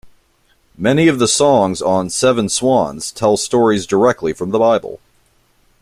Many of the songs on Seven Swans tell stories directly from the Bible.